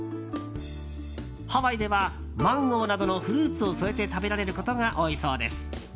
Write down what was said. ハワイではマンゴーなどのフルーツを添えて食べられることが多いそうです。